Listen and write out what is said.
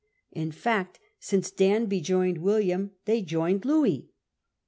In fact, since Danby joined William, they joined Louis.